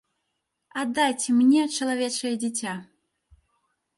Аддайце мне чалавечае дзіця!